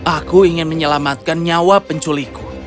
aku ingin menyelamatkan nyawa penculikku